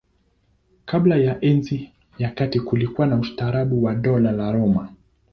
Kabla ya Enzi ya Kati kulikuwa na ustaarabu wa Dola la Roma.